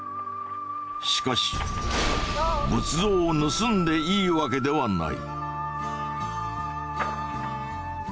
しかし仏像を盗んでいいわけではない。